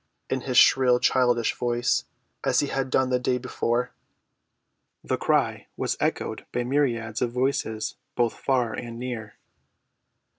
in his shrill childish voice, as he had done the day before. The cry was echoed by myriads of voices both far and near.